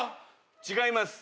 違います。